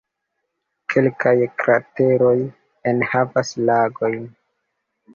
Kelkaj krateroj enhavas lagojn.